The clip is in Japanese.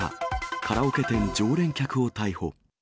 カラオケ店常連客を逮捕。